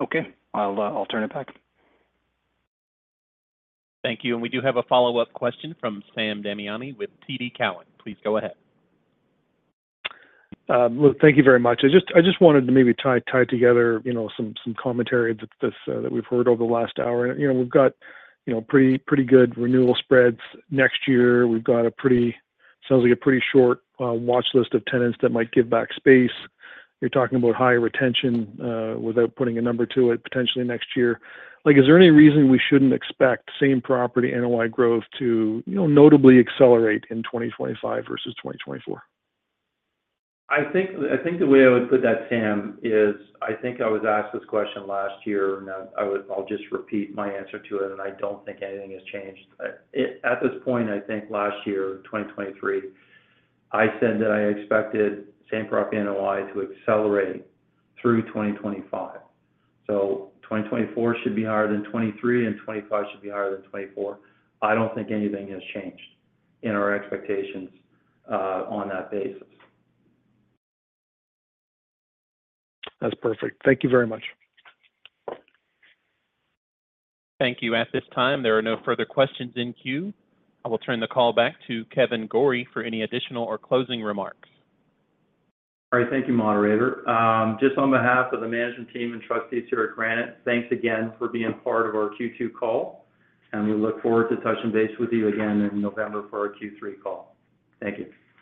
Okay. I'll turn it back. Thank you. We do have a follow-up question from Sam Damiani with TD Cowen. Please go ahead. Well, thank you very much. I just wanted to maybe tie together, you know, some commentary that we've heard over the last hour. You know, we've got, you know, pretty good renewal spreads. Next year, we've got a pretty, sounds like a pretty short watch list of tenants that might give back space. You're talking about higher retention without putting a number to it, potentially next year. Like, is there any reason we shouldn't expect same-property NOI growth to, you know, notably accelerate in 2025 versus 2024? I think, I think the way I would put that, Sam, is, I think I was asked this question last year, and, I would—I'll just repeat my answer to it, and I don't think anything has changed. At this point, I think last year, 2023, I said that I expected Same-Property NOI to accelerate through 2025. So 2024 should be higher than 2023, and 2025 should be higher than 2024. I don't think anything has changed in our expectations on that basis. That's perfect. Thank you very much. Thank you. At this time, there are no further questions in queue. I will turn the call back to Kevan Gorrie for any additional or closing remarks. All right. Thank you, moderator. Just on behalf of the management team and trustees here at Granite, thanks again for being part of our Q2 call, and we look forward to touching base with you again in November for our Q3 call. Thank you.